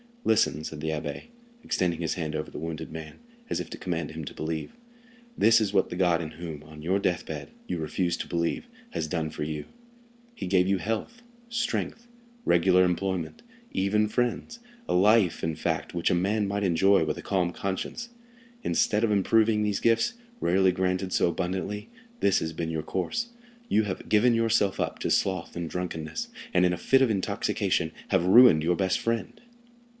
"Listen," said the abbé, extending his hand over the wounded man, as if to command him to believe; "this is what the God in whom, on your death bed, you refuse to believe, has done for you—he gave you health, strength, regular employment, even friends—a life, in fact, which a man might enjoy with a calm conscience. Instead of improving these gifts, rarely granted so abundantly, this has been your course—you have given yourself up to sloth and drunkenness, and in a fit of intoxication have ruined your best friend."